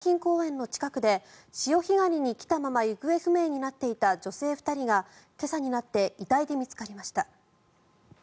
千葉県船橋市の海浜公園の近くで潮干狩りに来たまま行方不明になっていた女性２人が今朝になって遺体で見つかりました。